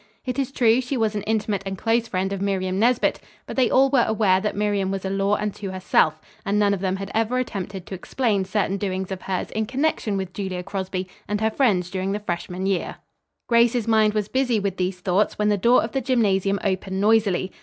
It is true, she was an intimate and close friend of Miriam Nesbit, but they all were aware that Miriam was a law unto herself, and none of them had ever attempted to explain certain doings of hers in connection with Julia Crosby and her friends during the freshman year. Grace's mind was busy with these thoughts when the door of the gymnasium opened noisily.